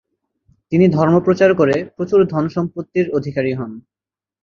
তিনি ধর্ম্প্রচার করে প্রচুর ধনসম্পত্তির অধিকারী হন।